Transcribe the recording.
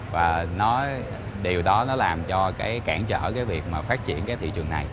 và điều đó làm cho cản trở việc phát triển thị trường này